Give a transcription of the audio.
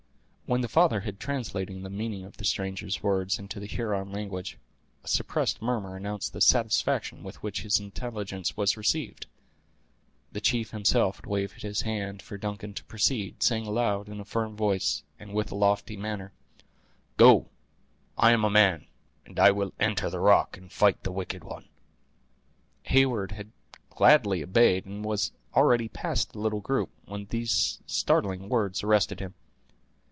When the father had translated the meaning of the stranger's words into the Huron language, a suppressed murmur announced the satisfaction with which this intelligence was received. The chief himself waved his hand for Duncan to proceed, saying aloud, in a firm voice, and with a lofty manner: "Go; I am a man, and I will enter the rock and fight the wicked one." Heyward had gladly obeyed, and was already past the little group, when these startling words arrested him.